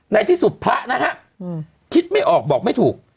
ในที่สุดพระนะฮะคิดไม่ออกบอกไม่ถูก